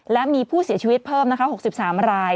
และมีผู้เสียชีวิตเพิ่มนะคะ๖๓ราย